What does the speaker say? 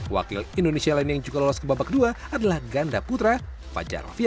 wakil indonesia lain yang juga lolos ke babak kedua adalah ganda putra fajar rofi